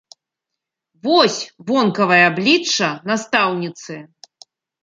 Вось вонкавае аблічча настаўніцы.